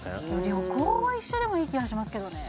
旅行は一緒でもいい気はしますけどね